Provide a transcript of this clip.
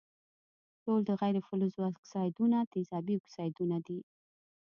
ټول د غیر فلزونو اکسایدونه تیزابي اکسایدونه دي.